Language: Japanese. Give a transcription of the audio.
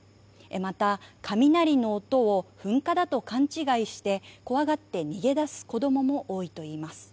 また、雷の音を噴火だと勘違いして怖がって逃げ出す子どもも多いと言います。